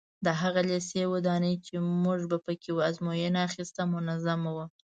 د هغه لېسې ودانۍ چې موږ په کې ازموینه اخیسته منظمه وه.